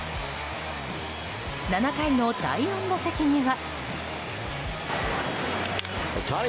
７回の第４打席には。